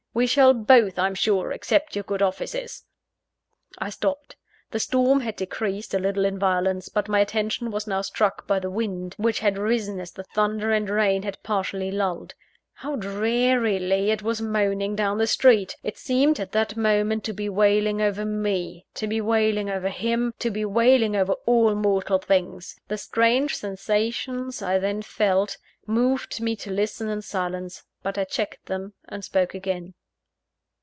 We shall both, I am sure, accept your good offices " I stopped. The storm had decreased a little in violence: but my attention was now struck by the wind, which had risen as the thunder and rain had partially lulled. How drearily it was moaning down the street! It seemed, at that moment, to be wailing over me; to be wailing over him; to be wailing over all mortal things! The strange sensations I then felt, moved me to listen in silence; but I checked them, and spoke again.